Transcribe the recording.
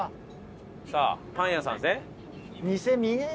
さあパン屋さんですね。